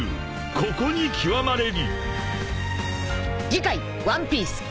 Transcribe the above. ここに極まれり！］